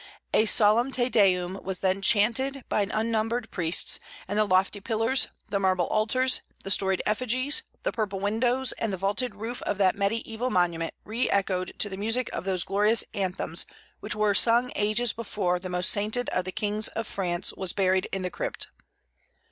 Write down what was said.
A solemn Te Deum was then chanted by unnumbered priests; and the lofty pillars, the marble altars, the storied effigies, the purple windows, and the vaulted roof of that mediaeval monument re echoed to the music of those glorious anthems which were sung ages before the most sainted of the kings of France was buried in the crypt.